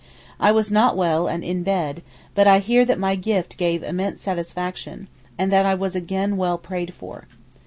I was not well and in bed, but I hear that my gift gave immense satisfaction, and that I was again well prayed for.